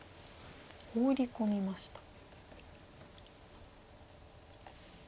ホウリ込みました。